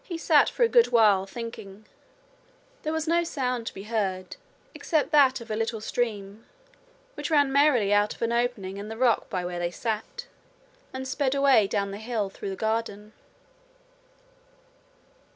He sat for a good while thinking. There was no sound to be heard except that of a little stream which ran merrily out of an opening in the rock by where they sat, and sped away down the hill through the garden.